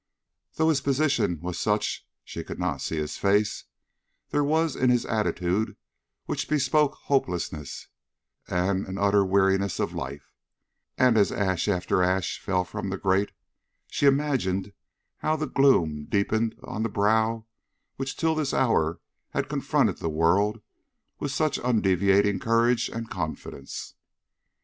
Though his position was such she could not see his face, there was that in his attitude which bespoke hopelessness and an utter weariness of life, and as ash after ash fell from the grate, she imagined how the gloom deepened on the brow which till this hour had confronted the world with such undeviating courage and confidence.